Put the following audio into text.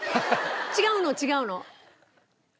違うの違うの。